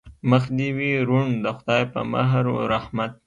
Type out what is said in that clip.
مخ دې وي روڼ د خدای په مهر و رحمت.